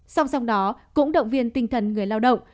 song song đó cũng động viên tinh thần người lao động